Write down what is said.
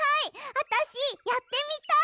あたしやってみたい！